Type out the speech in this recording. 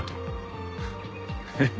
えっ？